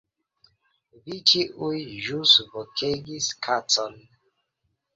Vi ĉiuj ĵus vokegis "kacon"